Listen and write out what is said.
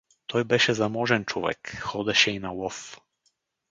Той беше заможен човек, ходеше и на лов.